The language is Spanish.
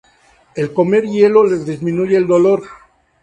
El comer hielo les disminuye el dolor.